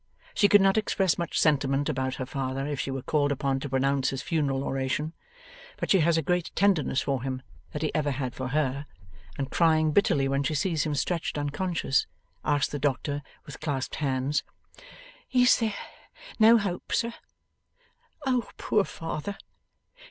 She could not express much sentiment about her father if she were called upon to pronounce his funeral oration, but she has a greater tenderness for him than he ever had for her, and crying bitterly when she sees him stretched unconscious, asks the doctor, with clasped hands: 'Is there no hope, sir? O poor father!